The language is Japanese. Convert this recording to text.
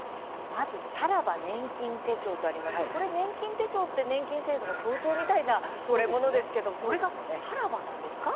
まず、さらば年金手帳とありますが年金手帳って年金制度の象徴みたいなものですけどもこれが、さらばなんですか？